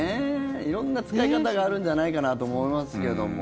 色んな使い方があるんじゃないかなと思いますけども。